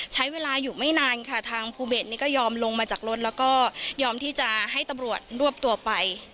ใช้เวลาอยู่ไม่นานค่ะทางภูเบสนี่ก็ยอมลงมาจากรถแล้วก็ยอมที่จะให้ตำรวจรวบตัวไป